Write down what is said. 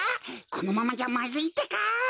このままじゃまずいってか！